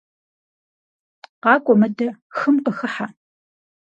КъакӀуэ мыдэ, хым къыхыхьэ.